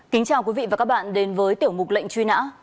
kính chào quý vị và các bạn đến với tiểu mục lệnh truy nã